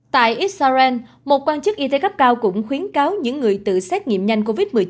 tại israel một quan chức y tế cấp cao cũng khuyến cáo những người tự xét nghiệm nhanh covid một mươi chín